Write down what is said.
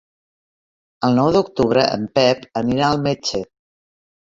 El nou d'octubre en Pep anirà al metge.